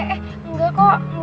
eh enggak kok